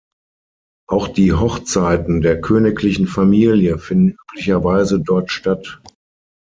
Auch die Hochzeiten der königlichen Familie finden üblicherweise dort statt.